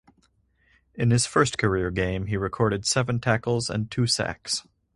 In his first career game he recorded seven tackles and two sacks.